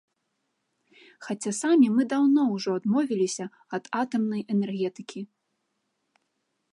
Хаця самі мы даўно ўжо адмовіліся ад атамнай энергетыкі.